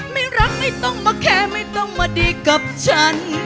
ไม่รักไม่ต้องมาแคร์ไม่ต้องมาดีกับฉัน